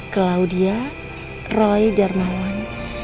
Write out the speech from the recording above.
claudia roy darmawan